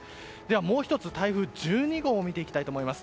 もう１つ、台風１２号を見ていきたいと思います。